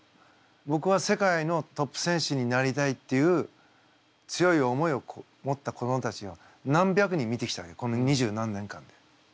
ぼくは世界のトップ選手になりたいっていう強い思いを持った子どもたちを何百人見てきたわけこの二十何年間で。